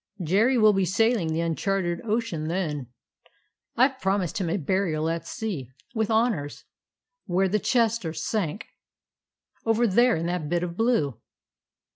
"Jerry will be sailing the uncharted ocean then. I Ve promised him a burial at sea, with honors — where the Chester sank — over there in that bit of blue."